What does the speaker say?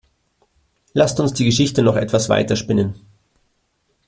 Lasst uns die Geschichte noch etwas weiter spinnen.